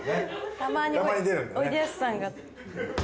たまにおいでやすさんが。